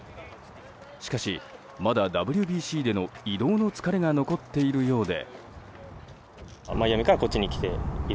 しかし、まだＷＢＣでの移動の疲れが残っているようで。